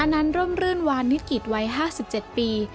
อนันต์ร่มรื่นวานนิตกิจวัย๕๗ปี